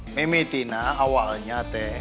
ini juga memitin aku awalnya